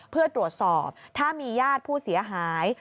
เพื่อตรวจสอบถ้ามีญาติผู้เสียหาย